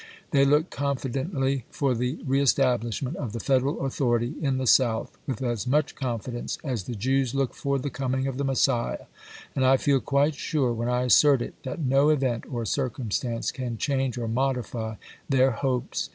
.. They look confidently for the rees tablishment of the Federal authority in the South with as much confidence as the Jews look for the coming of the Messiah, and I feel quite sure when I assert it that no event or circumstance can change or modify their hopes.